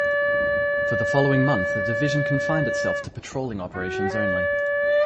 For the following month the division confined itself to patrolling operations only.